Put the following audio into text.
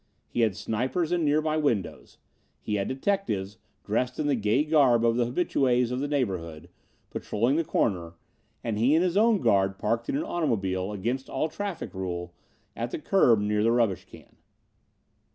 He had snipers in nearby windows. He had detectives, dressed in the gay garb of the habitues of the neighborhood, patrolling the corner, and he and his own guard parked an automobile, against all traffic rule, at the curb near the rubbish can.